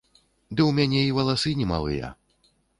Ды ў мяне і валасы не малыя.